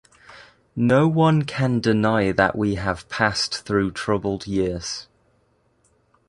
No one can deny that we have passed through troubled years.